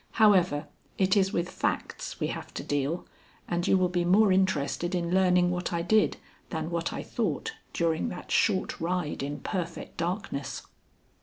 However, it is with facts we have to deal, and you will be more interested in learning what I did, than what I thought during that short ride in perfect darkness.